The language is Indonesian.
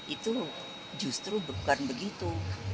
itu justru bukan begitu